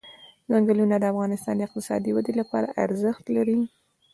ځنګلونه د افغانستان د اقتصادي ودې لپاره ارزښت لري.